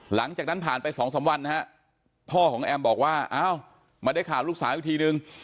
หลังจากนั้นผ่านไปสองสามวันนะฮะพ่อของแอมบอกว่าอ้าวมาได้ข่าวลูกสาวอีกทีนึง